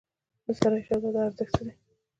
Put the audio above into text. د سرای شهزاده ارزښت څه دی؟